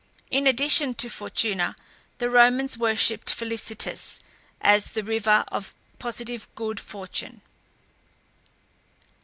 In addition to Fortuna, the Romans worshipped Felicitas as the giver of positive good fortune.